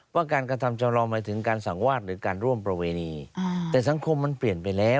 ว่าการกระทำแจ้งเราหมายถึงการสั่งวาดหรือการร่วมประเวณี